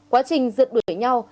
quá trình giật đuổi nhau